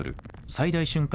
最大瞬間